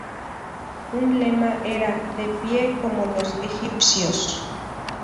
Un lema era "De pie, como los egipcios!